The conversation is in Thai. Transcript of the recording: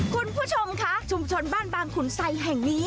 คุณผู้ชมค่ะชุมชนบ้านบางขุนไซแห่งนี้